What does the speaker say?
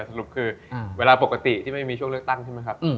สรุปคือเวลาปกติที่ไม่มีช่วงเลือกตั้งใช่ไหมครับ